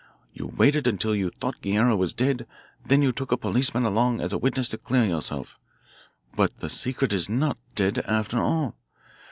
You waited until you thought Guerrero was dead, then you took a policeman along as a witness to clear yourself. But the secret is not dead, after all.